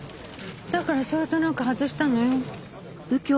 だからそれとなく外したのよ。